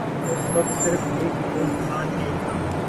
اس وقت صرف ایک نور خان نہیں تھا۔